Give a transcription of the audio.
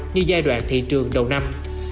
như giai đoạn thị trường đầu năm